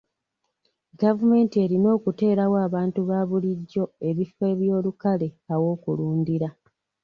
Gavumenti erina okuteerawo abantu ba bulijjo ebifo by'olukale aw'okulundira.